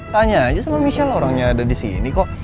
tanya aja sama michelle loh orangnya ada disini kok